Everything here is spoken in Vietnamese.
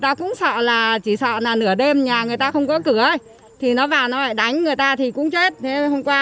thế là coi như làng xóm mình là an tâm không có sợ nữa